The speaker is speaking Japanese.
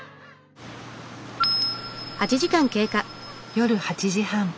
夜８時半。